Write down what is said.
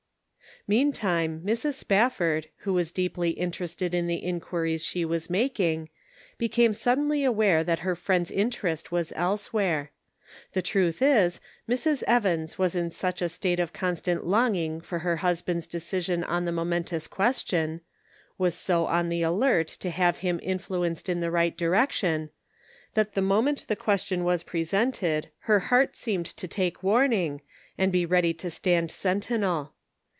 Meantime, Mrs. Spafford who was deeply interested in the inquiries she was making, became suddenly aware that her friend's inter est was elsewhere. The truth is, Mrs. Evans was in such a state of constant longing for her husband's decision on the momentous question — was so on the alert to have him influenced in the right direction — that the moment the question was presented her heart seemed to take warning, and be ready to stand sentinel.